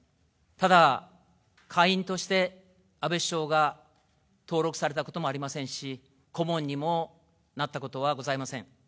ただ会員として、安倍首相が登録されたこともありませんし、顧問にもなったことはございません。